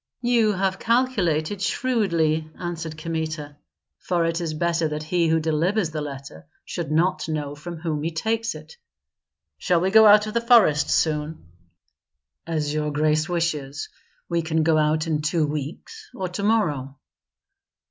"You have calculated shrewdly," answered Kmita, "for it is better that he who delivers the letter should not know from whom he takes it. Shall we go out of the forest soon?" "As your grace wishes. We can go out in two weeks, or to morrow."